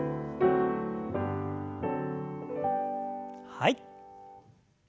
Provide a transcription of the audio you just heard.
はい。